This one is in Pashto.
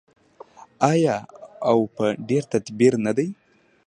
آیا او په ډیر تدبیر نه دی؟